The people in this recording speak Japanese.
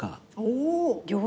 お。